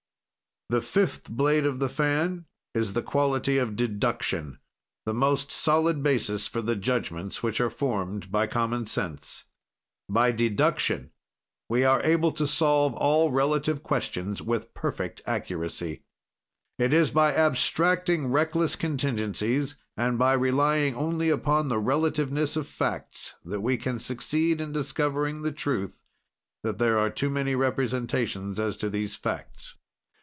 "The fifth blade of the fan is the quality of deduction the most solid basis for the judgments which are formed by common sense. "By deduction we are able to solve all relative questions with perfect accuracy. "It is by abstracting reckless contingencies, and by relying only upon the relativeness of facts, that we can succeed in discovering the truth that there are too many representations as to these facts.